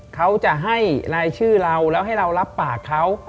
เขาจะให้รายชื่อเราแล้วให้เรารับปากเขา